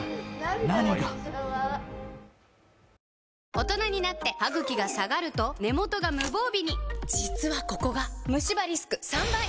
大人になってハグキが下がると根元が無防備に実はここがムシ歯リスク３倍！